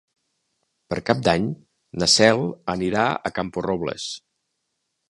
Per Cap d'Any na Cel anirà a Camporrobles.